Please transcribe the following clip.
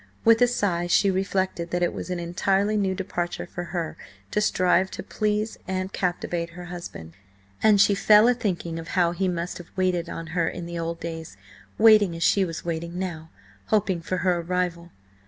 With a sigh, she reflected that it was an entirely new departure for her to strive to please and captivate her husband, and she fell a thinking of how he must have waited on her in the old days, waiting as she was waiting now–hoping for her arrival.